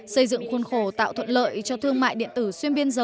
xây dựng khuôn khổ tạo thuận lợi cho thương mại điện tử xuyên biên giới